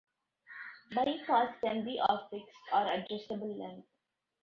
Bipods can be of fixed or adjustable length.